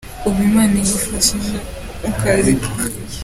Ubu Imana iramfashije mu kazi kanjye.